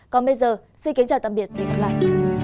còn bây giờ xin kính chào tạm biệt và hẹn gặp lại